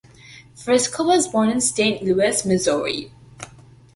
Frisco was born in Saint Louis, Missouri.